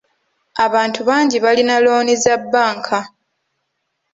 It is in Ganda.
Abantu bangi balina looni za bbanka.